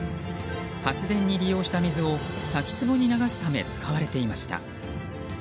発電に利用した水を滝つぼに流すため使われていました。